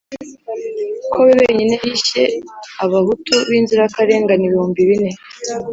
ko we wenyine yishye Abahutu b'inzirakarengane ibihumbi bine !